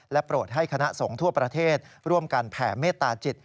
โปรดให้คณะสงฆ์ทั่วประเทศร่วมกันแผ่เมตตาจิต